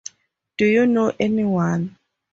Do you know anyone?